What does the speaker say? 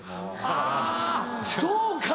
あそうか！